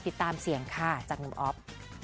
ไปติดตามเสียงข้าจังนุ่มอ๊อฟ